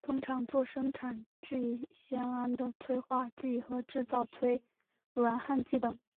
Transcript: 通常作生产聚酰胺的催化剂和制造软焊剂等。